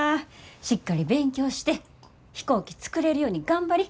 しっかり勉強して飛行機作れるように頑張り。